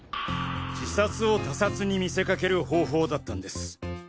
自殺を他殺に見せかける方法だったんです。